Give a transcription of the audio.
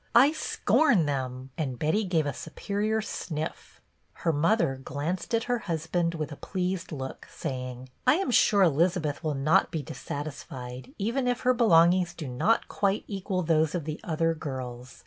I scorn them;" and Betty gave a superior sniff. Her mother glanced at her husband with a pleased look, saying, " I am sure Eliza beth will not be dissatisfied, even if her belongings do not quite equal those of the other girls.